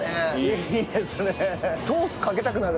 いいですね。